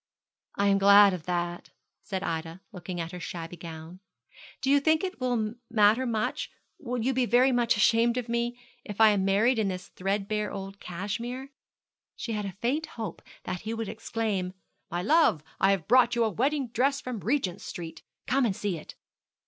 'I am glad of that,' said Ida, looking at her shabby gown. 'Do you think it will matter much will you be very much ashamed of me, if I am married in this threadbare old cashmere?' She had a faint hope that he would exclaim, 'My love, I have brought you a wedding dress from Regent Street; come and see it.'